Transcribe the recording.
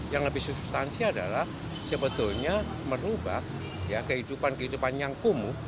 yang lebih substansi adalah sebetulnya merubah kehidupan kehidupan yang kumuh